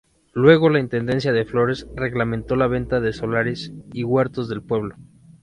Luego la intendencia de Flores reglamentó la venta de solares y huertos del pueblo.